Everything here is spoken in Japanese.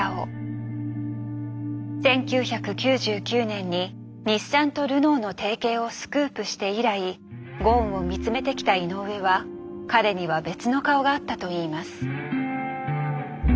１９９９年に日産とルノーの提携をスクープして以来ゴーンを見つめてきた井上は彼には別の顔があったといいます。